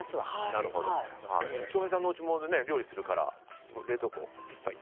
翔平さんのおうちも料理するから冷凍庫いっぱい？